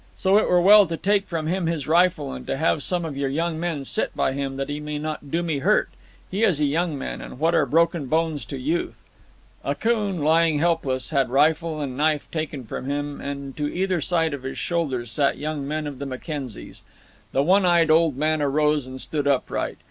"So it were well to take from him his rifle, and to have some of your young men sit by him, that he may not do me hurt. He is a young man, and what are broken bones to youth!" Akoon, lying helpless, had rifle and knife taken from him, and to either side of his shoulders sat young men of the Mackenzies. The one eyed old man arose and stood upright.